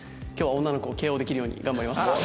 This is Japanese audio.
今日は女の子をＫＯできるように頑張ります。